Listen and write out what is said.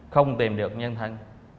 không tìm được nhân thân